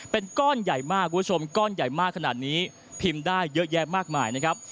เป็นก้อนใหญ่มากคุณผู้ชมก้อนใหญ่มากขนาดนี้พิมพ์ได้เยอะแยะมากมายนะครับ